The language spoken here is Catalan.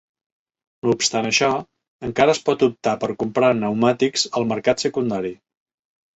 No obstant això, encara es pot optar per comprar pneumàtics al mercat secundari.